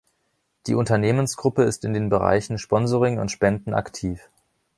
Die Unternehmensgruppe ist in den Bereichen Sponsoring und Spenden aktiv.